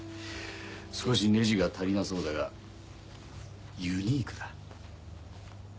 少しネジが足りなそうだがユニークだ。